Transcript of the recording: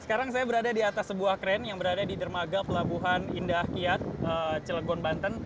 sekarang saya berada di atas sebuah kren yang berada di dermaga pelabuhan indah kiat celegon banten